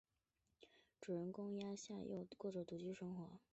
主人公鸭下佑介过着独居生活。